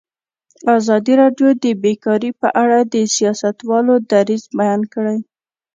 ازادي راډیو د بیکاري په اړه د سیاستوالو دریځ بیان کړی.